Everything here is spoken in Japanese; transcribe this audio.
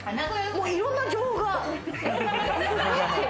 もう、いろんな情報が。